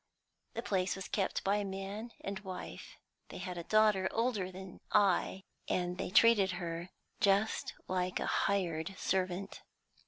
The place was kept by a man and wife; they had a daughter older than I, and they treated her just like a hired servant.